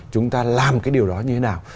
chúng ta làm cái điều đó như thế nào